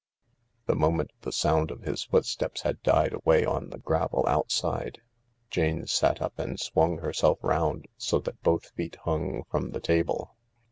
The moment the sound of his footsteps had died away on the gravel outside Jane sat up and swung herself round so that both feet hung from the table.